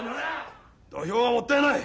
土俵がもったいない！